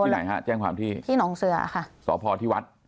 ไหนฮะแจ้งความที่ที่หนองเสือค่ะสพที่วัด